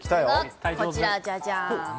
こちら、じゃじゃん。